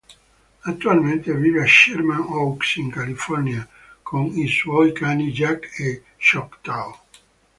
Attualmente vive a Sherman Oaks in California con i suoi cani Jack e Choctaw.